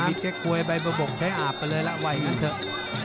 วิทย์แก๊กควยใบประบบใช้อาบไปเลยละไว้กันเถอะ